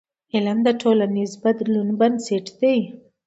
علم د ټولنیز بدلون بنسټ دی.